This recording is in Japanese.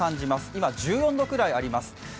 今、１４度くらいあります。